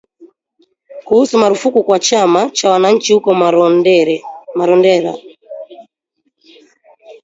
kuhusu marufuku kwa chama cha wananchi huko Marondera